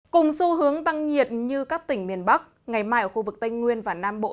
cùng xu hướng tăng nhiệt như các tỉnh miền bắc ngày mai ở khu vực tây nguyên và nam bộ